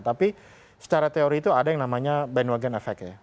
tapi secara teori itu ada yang namanya bandwagon effect ya